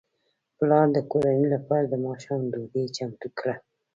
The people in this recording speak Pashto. پلار د کورنۍ لپاره د ماښام ډوډۍ چمتو کړه.